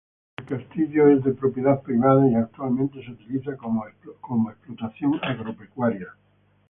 El castillo es de propiedad privada y actualmente se utilizan como explotación agropecuaria.